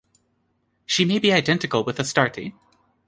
She may be identical with Astarte.